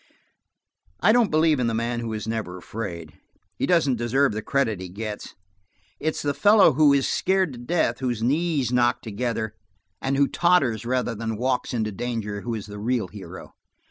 I don't believe in the man who is never afraid: he doesn't deserve the credit he gets. It's the fellow who is scared to death, whose knees knock together, and who totters rather than walks into danger, who is the real hero.